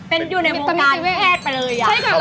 เป็นอยู่ในวงการแพทย์ไปเลยหรือยัง